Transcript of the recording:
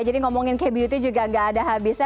jadi ngomongin k beauty juga gak ada habisnya